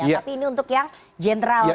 tapi ini untuk yang general